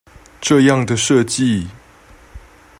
這樣的設計